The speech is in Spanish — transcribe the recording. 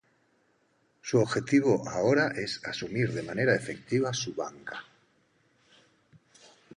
Su objetivo ahora es asumir de manera efectiva su banca.